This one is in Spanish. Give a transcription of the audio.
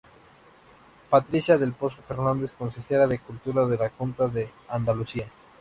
Patricia del Pozo Fernández, Consejera de Cultura de la Junta de Andalucía.